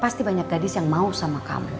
pasti banyak gadis yang mau sama kami